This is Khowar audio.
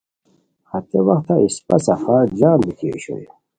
ہتے وختہ اِسپہ سفر جم بیتی اوشوئے